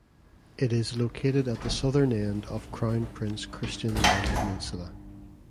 It is located at the southern end of Crown Prince Christian Land peninsula.